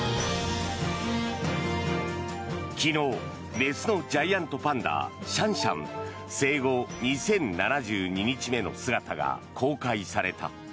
昨日、雌のジャイアントパンダシャンシャン生後２０７２日目の姿が公開された。